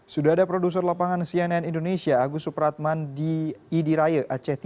sudah ada produser lapangan cnn indonesia agus supratman di idiraya aceh